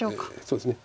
そうですね。